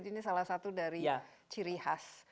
jadi ini salah satu dari ciri khas selama ini